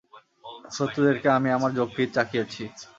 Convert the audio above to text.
শত্রুদেরকে আমি আমার যকৃৎ চাখিয়েছি।